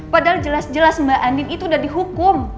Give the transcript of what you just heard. padahal jelas jelas mbak andin itu udah dihukum